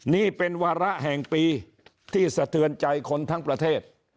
นี่เป็นวาระแห่งปีที่สะเทือนใจคนทั้งประเทศ